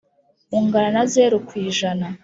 Ungana na zero ku ijana.